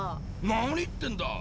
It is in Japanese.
何言ってんだ！